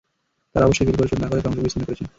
তারা অবশ্যই বিল পরিশোধ না করায় সংযোগ বিচ্ছিন্ন করেছে।